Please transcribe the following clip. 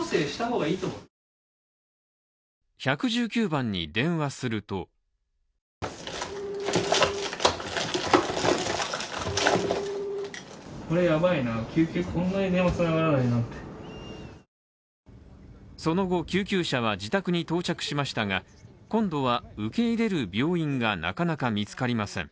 １１９番に電話するとその後、救急車は自宅に到着しましたが、今度は、受け入れる病院がなかなか見つかりません。